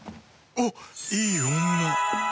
「おっいい女！